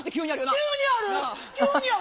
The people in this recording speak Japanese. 急にある！